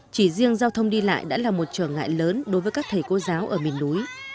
chỉ riêng giao thông đi lại đã là một trở ngại lớn đối với các thầy cô giáo ở miền núi